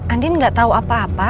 andin nggak tahu apa apa